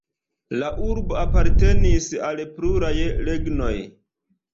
La urbo apartenis al pluraj regnoj.